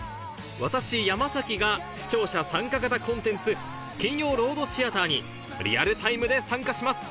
私山が視聴者参加型コンテンツ金曜ロードシアターにリアルタイムで参加します